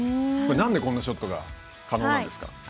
これ、何でこんなショットが可能なんですか？